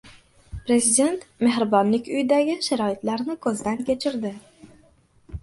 Prezident Mehribonlik uyidagi sharoitlarni ko‘zdan kechirdi